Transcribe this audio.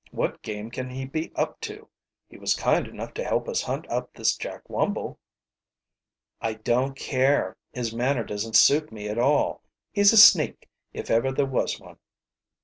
"What game can he be up to? He was kind enough to help us hunt up this Jack Wumble." "I don't care his manner doesn't suit me at all. He's a sneak, if ever there was one."